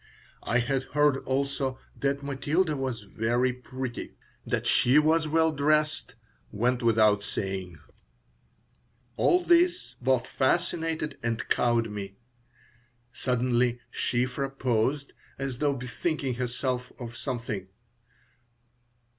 I had heard, also, that Matilda was very pretty. That she was well dressed went without saying All this both fascinated and cowed me Suddenly Shiphrah paused, as though bethinking herself of something.